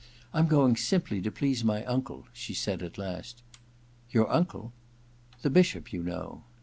*rm going simply to please my uncle,' she said, at last. * Your uncle ?'* The Bishop, you know.'